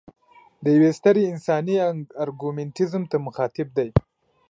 د یوې سترې انساني ارګومنټیزم ته مخاطب دی.